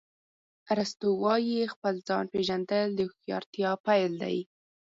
ارسطو وایي خپل ځان پېژندل د هوښیارتیا پیل دی.